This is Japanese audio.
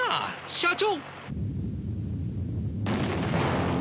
社長！